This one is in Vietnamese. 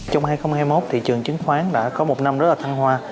trong hai nghìn hai mươi một thị trường chứng khoán đã có một năm rất là thăng hoa